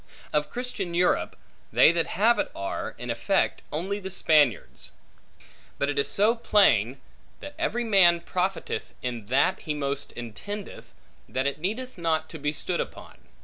Of Christian Europe, they that have it are, in effect, only the Spaniards. But it is so plain, that every man profiteth in that, he most intendeth, that it needeth not to be stood upon.